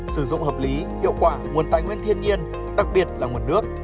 sử dụng hợp lý hiệu quả nguồn tài nguyên thiên nhiên đặc biệt là nguồn nước